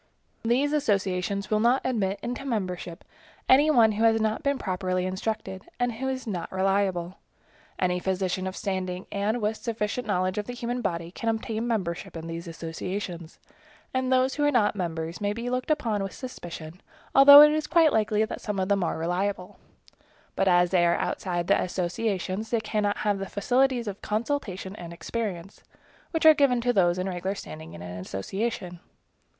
These associations will not admit into membership any one who has not been properly instructed, and who is not reliable. Any physician of standing, and with a sufficient knowledge of the human body, can obtain membership in these associations, and those who are not members may be looked upon with suspicion, although it is quite likely that some of them are reliable; but as they are outside of the associations, they cannot have the facilities of consultation and experience, which are given to those in regular standing in an association.